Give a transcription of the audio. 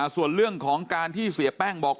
ส่วนเรื่องของการที่เสียแป้งบอก